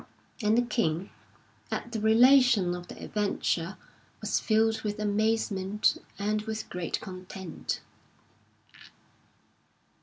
And the king, at the relation of the adventure, was filled with amazement and with great content.